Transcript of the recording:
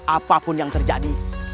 apapun yang terjadi